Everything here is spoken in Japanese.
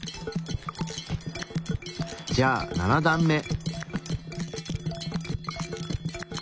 じゃあ７段目。